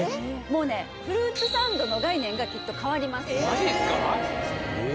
もうねフルーツサンドの概念がきっと変わりますマジっすか？